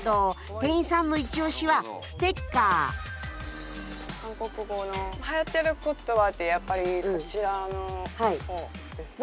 店員さんのイチオシはステッカーはやってる言葉ってやっぱりこちらの方ですかね。